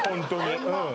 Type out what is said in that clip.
うん